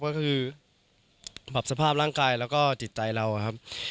ก็คือปรับสภาพร่างกายแล้วก็จิตใจเราครับ